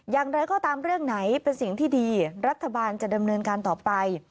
อย่างไรก็ตามเรื่องไหนเป็นสิ่งที่ดีรัฐบาลจะดำเนินการต่อไป